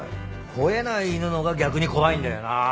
ほえない犬のほうが逆に怖いんだよな。